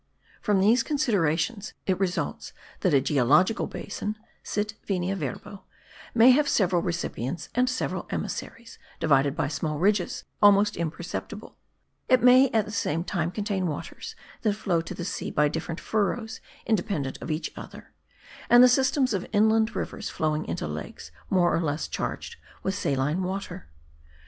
From these considerations it results that a geological basin (sit venia verbo) may have several recipients and several emissaries, divided by small ridges almost imperceptible; it may at the same time contain waters that flow to the sea by different furrows independent of each other, and the systems of inland rivers flowing into lakes more or less charged with saline matter.